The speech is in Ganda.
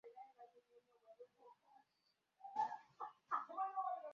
Abasuubuzi bangi bafiiriziddwa wiiki eno.